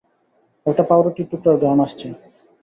একটা পাউরুটির টুকরার ঘ্রাণ আসছে।